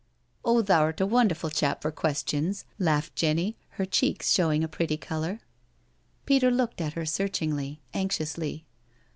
" Oh, thou'rt a wonderful chap for questions," laughed Jenny, her cheeks showing a pretty colour. 8 NO SURRENDER Peter looked at her searchingly, anxiously.